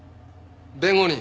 弁護人。